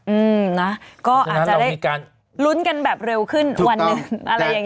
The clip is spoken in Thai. อืมนะก็อาจจะได้ลุ้นกันแบบเร็วขึ้นวันหนึ่ง